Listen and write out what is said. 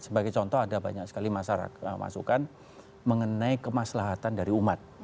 sebagai contoh ada banyak sekali masukan mengenai kemaslahatan dari umat